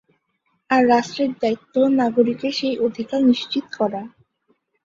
আর রাষ্ট্রের দায়িত্ব নাগরিকের সেই অধিকার নিশ্চিত করা।